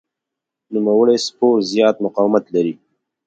نوموړی سپور زیات مقاومت لري.